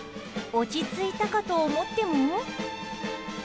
落ち着いたかと思っても。